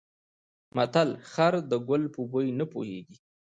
متل: خر د ګل په بوی نه پوهېږي.